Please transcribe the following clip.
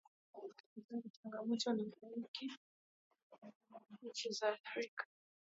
kilizaji changamoto hii haiko tu kwa nchi za africa